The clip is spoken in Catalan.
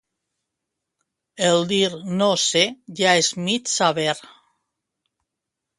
El dir «no sé», ja és mig saber.